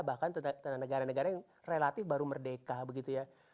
bahkan negara negara yang relatif baru merdeka begitu ya